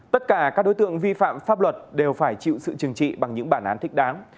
tất cả các đối tượng vi phạm pháp luật đều phải chịu sự chừng trị bằng những bản án thích đáng